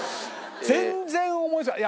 全然思いつかない。